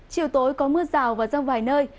chiều tối có mưa rào và rong vài nơi